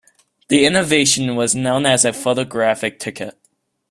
The innovation was known as a "photographic ticket".